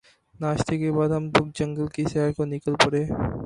ناشتے کے بعد ہم لوگ جنگل کی سیر کو نکل پڑے